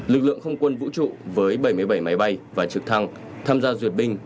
lực lượng không quân vũ trụ với bảy mươi bảy máy bay và trực thăng tham gia duyệt binh